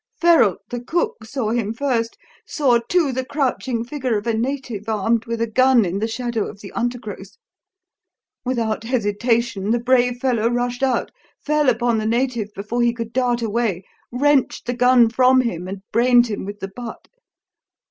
"Ferralt, the cook, saw him first; saw, too, the crouching figure of a native, armed with a gun, in the shadow of the undergrowth. Without hesitation the brave fellow rushed out, fell upon the native before he could dart away, wrenched the gun from him, and brained him with the butt.